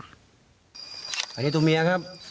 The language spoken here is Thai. อันนี้ตัวเมียครับ